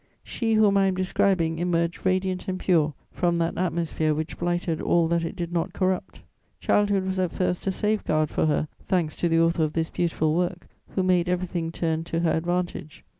"She whom I am describing emerged radiant and pure from that atmosphere which blighted all that it did not corrupt. Childhood was at first a safeguard for her, thanks to the Author of this beautiful work, who made everything turn to her advantage.